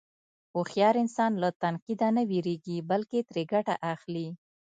هوښیار انسان له تنقیده نه وېرېږي، بلکې ترې ګټه اخلي.